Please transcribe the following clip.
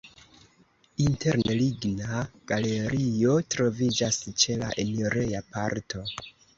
Interne ligna galerio troviĝas ĉe la enireja parto.